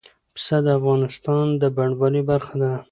پسه د افغانستان د بڼوالۍ برخه ده.